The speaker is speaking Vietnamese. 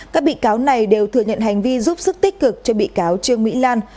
các bị cáo này đều thừa nhận hành vi giúp sức tích cực cho bị cáo trương mỹ lan